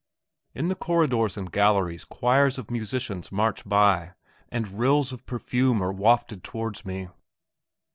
In the corridors and galleries choirs of musicians march by, and rills of perfume are wafted towards me.